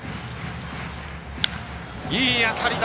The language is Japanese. いい当たりだ。